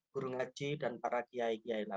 guru ngaji dan para kiai kiai